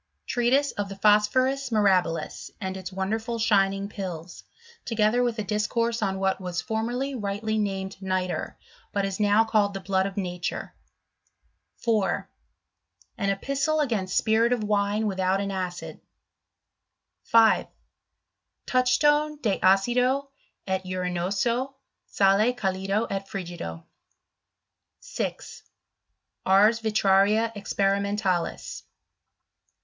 Treatise of the Phosphorus muabilis, and ilt wonderful shining Pills; together with a diicouiteai CHEMISTRY Of THE SBVMTTEEirTH CEimmY. 934 trhat was formerly rightly named nitre, but is now called the blood of nature. 4 An Epistle against Spirit of Wine without an acid. 5. Touchstone de Acido et Urinoso, Sale calido et frigido. 6. Ars Vitraria experimentalis.